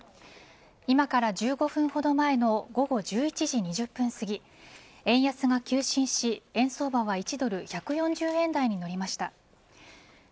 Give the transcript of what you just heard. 今から１５分ほど前の午後１１時２０分すぎ円安が急伸し円相場は１ドル１４０円台になりました。